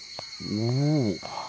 おお。